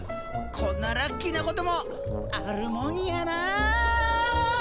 こんなラッキーなこともあるもんやな。